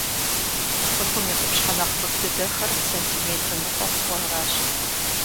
Цӏыхум и къупщхьэ нэхъ цӏыкӏу дыдэхэр сантиметр ныкъуэ хъууэ аращ.